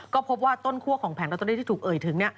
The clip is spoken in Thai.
ก็พบว่าต้นคั่วของแผงลอตเตอรี่ที่ถูกเอ่ยถึง